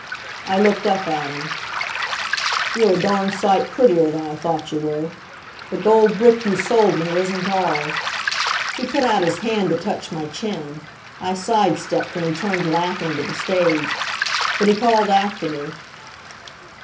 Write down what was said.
I looked up at him. "You're a darn sight prettier than I thought you were. The gold brick you sold me isn't all " He put out his hand to touch my chin. I side stepped, and he turned laughing to the stage. But he called after me.